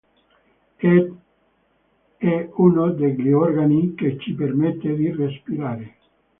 Ed è uno degli organi che ci permette di respirare.